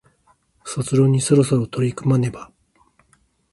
卒論にそろそろ取り組まなければ